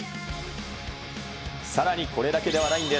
さらにこれだけではないんです。